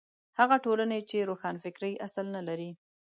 هغه ټولنې چې روښانفکرۍ اصل نه لري.